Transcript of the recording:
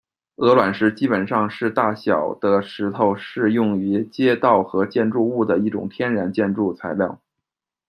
鹅卵石，基本上是大小的石头，是用于、街道和建筑物的一种天然的建筑材料。